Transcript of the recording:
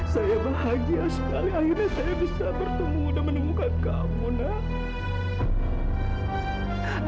saya bahagia sekali akhirnya saya bisa bertemu dan menemukan kamu nak